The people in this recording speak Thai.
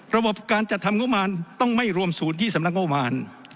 ระบบการจัดทำงบมารต้องไม่รวมศูนย์ที่สำนักงบประมาณ